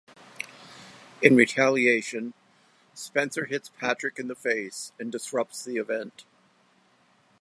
In retaliation, Spencer hits Patrick in the face and disrupts the event.